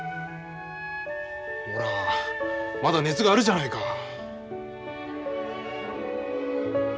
ほらまだ熱があるじゃないか。